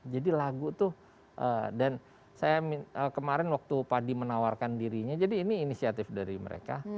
jadi lagu itu dan saya kemarin waktu padi menawarkan dirinya jadi ini inisiatif dari mereka